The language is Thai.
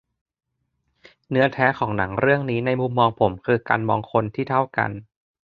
เนื้อแท้ของหนังเรื่องนี้ในมุมมองผมคือการมองคนที่เท่ากัน